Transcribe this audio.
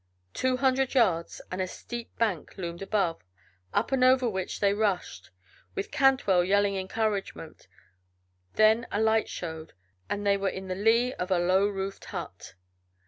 Two hundred yards, and a steep bank loomed above, up and over which they rushed, with Cantwell yelling encouragement; then a light showed, and they were in the lee of a low roofed hut.